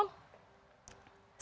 seluruhnya indosat uredo dan jepang